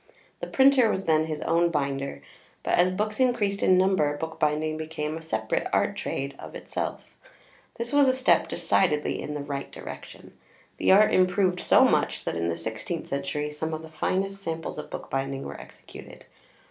The printer was then his own binder; but as books increased in number, bookbinding became a separate art trade of itself. This was a step decidedly in the right direction. The art improved so much, that in the sixteenth century some of the finest samples of bookbinding were executed.